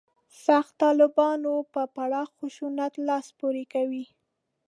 «سخت طالبانو» په پراخ خشونت لاس پورې کوي.